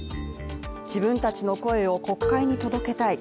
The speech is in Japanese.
自分たちの声を国会に届けたい。